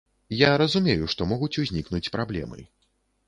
Я разумею, што могуць узнікнуць праблемы.